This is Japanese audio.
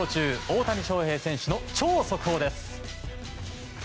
大谷翔平選手の超速報です。